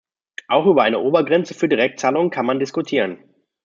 Auch über eine Obergrenze für Direktzahlungen kann man diskutieren.